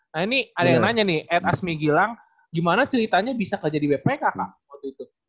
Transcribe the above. nah ini ada yang nanya nih at asmi gilang gimana ceritanya bisa kerja di wpk kak waktu itu